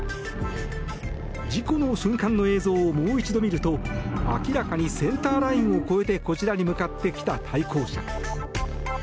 事故の瞬間の映像をもう一度見ると明らかにセンターラインを越えてこちらに向かってきた対向車。